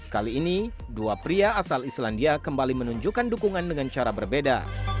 kali ini dua pria asal islandia kembali menunjukkan dukungan dengan cara berbeda